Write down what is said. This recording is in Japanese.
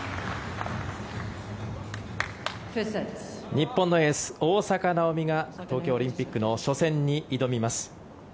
日本のエース大坂なおみが東京オリンピックの初戦に挑みます。